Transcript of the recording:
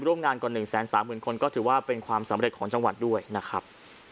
ร่วมงานกว่า๑๓๐๐๐คนก็ถือว่าเป็นความสำเร็จของจังหวัดด้วยนะครับ